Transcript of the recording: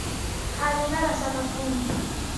Alilala sakafuni